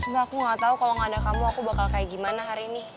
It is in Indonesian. sumpah aku gak tau kalo gak ada kamu aku bakal kayak gimana hari ini